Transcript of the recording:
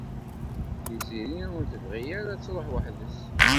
Tiziri ur tebɣi ara ad tṛuḥ weḥd-s.